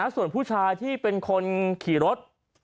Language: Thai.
ส่วนผู้ชายที่เป็นคนขี่รถ